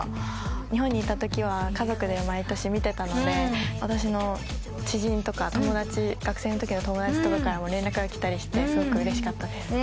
日本にいたときは家族で毎年見てたので私の知人とか学生のときの友達からも連絡がきたりしてすごくうれしかったです。